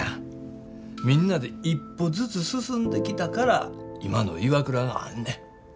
みんなで一歩ずつ進んできたから今のＩＷＡＫＵＲＡがあんねん。